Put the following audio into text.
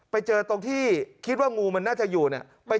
ไปเจอตรงที่คิดว่างูมันน่าจะอยู่เนี่ย